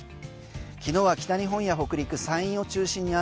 昨日は北日本や北陸山陰を中心に雨。